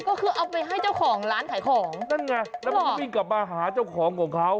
ก็คือเอาไปให้เจ้าของร้านขายของนั่นไงแล้วมันก็วิ่งกลับมาหาเจ้าของของเขา